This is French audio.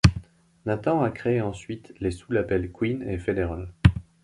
Nathan a créé ensuite les sous-labels Queen et Federal.